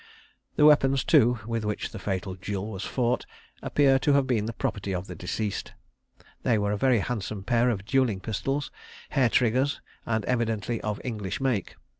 The weapons, too, with which the fatal duel was fought appear to have been the property of the deceased. They were a very handsome pair of duelling pistols, hair triggers, and evidently of English make.